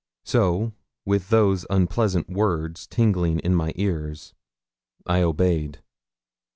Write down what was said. So, with those unpleasant words tingling in my ears, I obeyed.